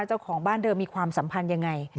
เจ้าของบ้านเดิมมีความสัมพันธ์ยังไง